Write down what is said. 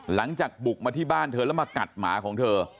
หลังจากบุกมาที่บ้านเธอแล้วมากัดหมาของเธอ